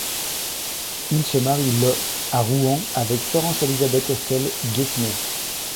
Il se marie le à Rouen avec Florence Élisabeth Estelle Guaisnet.